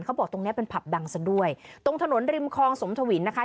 ตรงเนี้ยเป็นผับดังซะด้วยตรงถนนริมคลองสมทวินนะคะ